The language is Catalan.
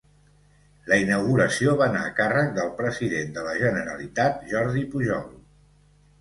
La inauguració va anar a càrrec del president de la Generalitat Jordi Pujol.